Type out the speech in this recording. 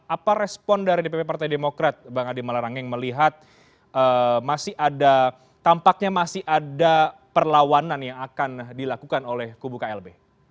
apa respon dari dpp partai demokrat bang adi malarangeng melihat masih ada tampaknya masih ada perlawanan yang akan dilakukan oleh kubu klb